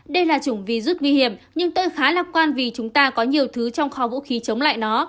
đây là chủng virus nguy hiểm nhưng tôi khá lạc quan vì chúng ta có nhiều thứ trong kho vũ khí chống lại nó